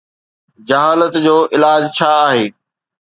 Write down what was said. جهالت جو علاج ڇا آهي؟